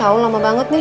nah tau lama banget nih